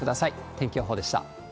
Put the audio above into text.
天気予報でした。